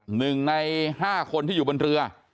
หนึ่งในห้าคนที่อยู่บนเรือ